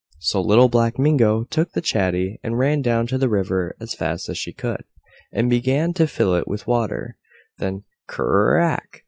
So Little Black Mingo took the chatty and ran down to the river as fast as she could, and began to fill it with water, when Cr r rrrack!!!